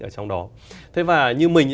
ở trong đó thế và như mình